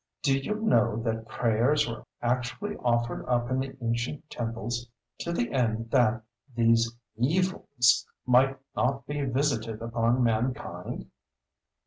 Do you know that prayers were actually offered up in the ancient temples to the end that these evils (!) might not be visited upon mankind?